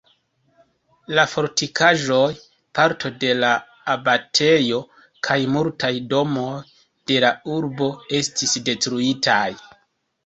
La fortikaĵoj, parto de la abatejo kaj multaj domoj de la urbo estis detruitaj.